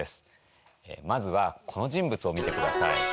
まずはこの人物を見てください。